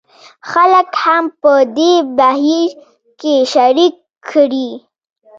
خلک هم په دې بهیر کې شریک کړي.